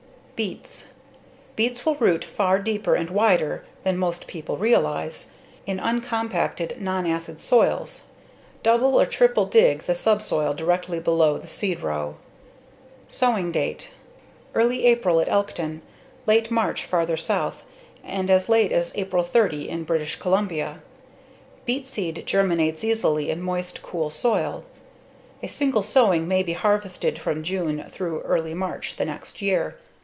Beets Beets will root far deeper and wider than most people realize in uncompacted, nonacid soils. Double or triple dig the subsoil directly below the seed row. Sowing date: Early April at Elkton, late March farther south, and as late as April 30 in British Columbia. Beet seed germinates easily in moist, cool soil. A single sowing may be harvested from June through early March the next year.